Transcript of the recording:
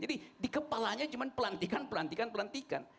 jadi di kepalanya cuma pelantikan pelantikan pelantikan